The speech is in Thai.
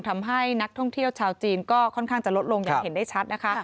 ทำให้นักท่องเที่ยวชาวจีนก็ค่อนข้างจะลดลงอย่างเห็นได้ชัดนะคะ